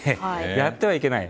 やってはいけない。